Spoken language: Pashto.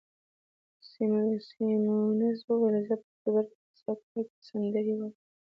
سیمونز وویل: زه په اکتوبر کې په سکالا کې سندرې وایم.